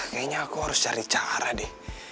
kayaknya aku harus cari cara deh